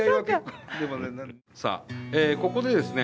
さあ、ここでですね